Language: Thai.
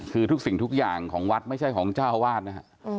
คือทุกสิ่งทุกอย่างของวัดไม่ใช่ของเจ้าอาวาสนะฮะ